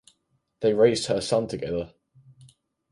They raised her son together.